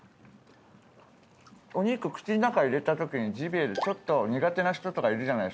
お肉口の中入れたときにジビエでちょっと苦手な人とかいるじゃないですか。